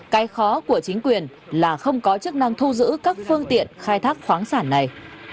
cái khó của chính quyền là không có chức năng thu giữ các phương tiện khai thác khoáng sản này